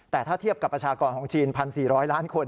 แต่ถ้าเทียบกับประชากรของจีน๑๔๐๐ล้านคน